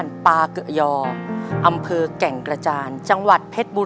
ในแคมเปญพิเศษเกมต่อชีวิตโรงเรียนของหนู